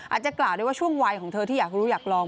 อาจจะกล่าวได้ว่าช่วงวัยของเธอที่อยากรู้อยากลอง